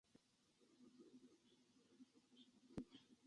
うーん、なんだかなぁ